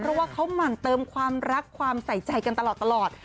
เพราะว่าเขาหมั่นเติมความรักความใส่ใจกันตลอด